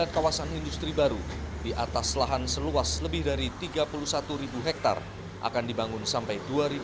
kawasan industri baru di atas lahan seluas lebih dari tiga puluh satu ribu hektare akan dibangun sampai dua ribu dua puluh